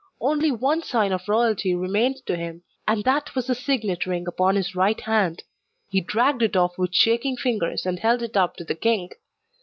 Only one sign of royalty remained to him, and that was the signet ring upon his right hand. He dragged it off with shaking fingers and held it up to the king.